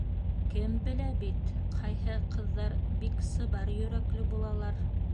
Кем белә бит, ҡайһы ҡыҙҙар бик сыбар йөрәкле булалар.